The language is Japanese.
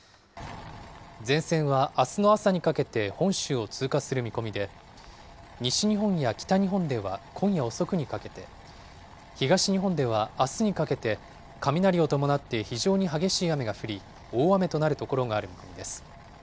前線はあすの朝にかけて本州を通過する見込みで、西日本や北日本では今夜遅くにかけて、東日本ではあすにかけて、雷を伴って非常に激しい雨が降り、大雨となる所がある見込みです。